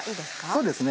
そうですね。